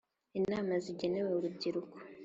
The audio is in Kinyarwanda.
Inama zigenewe urubyiruko